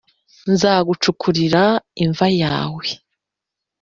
nzagucukurira imva yawe